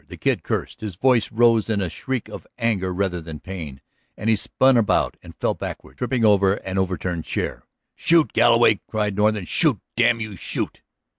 The Kid cursed, his voice rose in a shriek of anger rather than pain, and he spun about and fell backward, tripping over an overturned chair. "Shoot, Galloway!" cried Norton. "Shoot, damn you, shoot!"